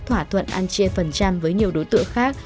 thỏa thuận ăn chia phần trăm với nhiều đối tượng khác